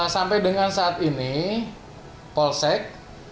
sampai dengan saat ini polsek